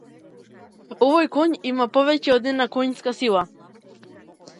Овој коњ има повеќе од една коњска сила.